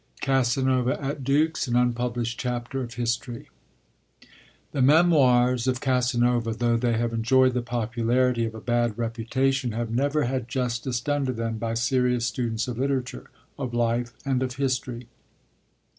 CASANOVA AT DUX: AN UNPUBLISHED CHAPTER OF HISTORY I The Memoirs of Casanova, though they have enjoyed the popularity of a bad reputation, have never had justice done to them by serious students of literature, of life, and of history.